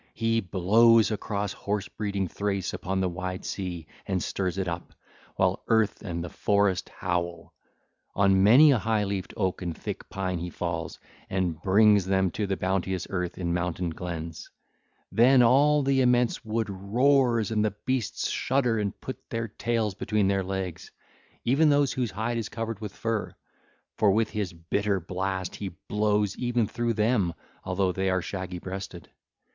He blows across horse breeding Thrace upon the wide sea and stirs it up, while earth and the forest howl. On many a high leafed oak and thick pine he falls and brings them to the bounteous earth in mountain glens: then all the immense wood roars and the beasts shudder and put their tails between their legs, even those whose hide is covered with fur; for with his bitter blast he blows even through them although they are shaggy breasted.